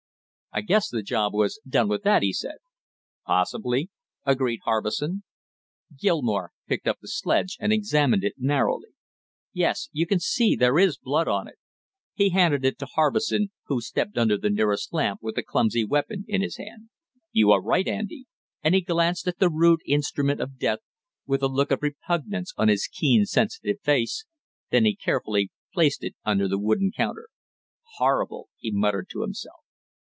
"I guess the job was done with that," he said. "Possibly," agreed Harbison. Gilmore picked up the sledge and examined it narrowly. "Yes, you can see, there is blood on it." He handed it to Harbison, who stepped under the nearest lamp with the clumsy weapon in his hand. "You are right, Andy!" and he glanced at the rude instrument of death with a look of repugnance on his keen sensitive face, then he carefully, placed it under the wooden counter. "Horrible!" he muttered to himself.